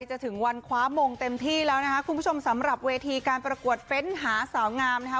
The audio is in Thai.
จะถึงวันคว้ามงเต็มที่แล้วนะคะคุณผู้ชมสำหรับเวทีการประกวดเฟ้นหาสาวงามนะคะ